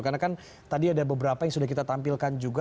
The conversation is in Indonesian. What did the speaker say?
karena kan tadi ada beberapa yang sudah kita tampilkan juga